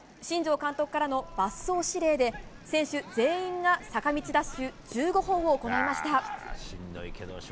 新庄監督からの罰走指令で選手全員が坂道ダッシュ１５本を行いました。